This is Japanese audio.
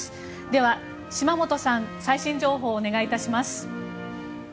では島本さん最新情報をお願いします。